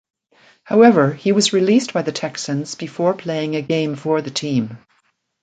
However, he was released by the Texans before playing a game for the team.